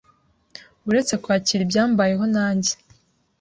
uretse kwakira ibyambayeho nanjye